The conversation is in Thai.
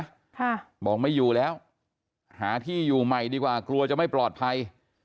ค่ะบอกไม่อยู่แล้วหาที่อยู่ใหม่ดีกว่ากลัวจะไม่ปลอดภัย